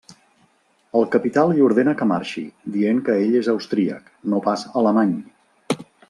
El Capità li ordena que marxi, dient que ell és austríac, no pas alemany.